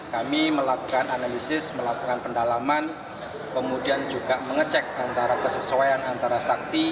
kami melakukan analisis melakukan pendalaman kemudian juga mengecek antara kesesuaian antara saksi